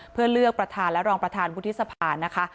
เพื่อเลือกประธานและรองประธานวุฒิสภานะคะ